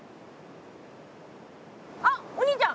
あっお兄ちゃん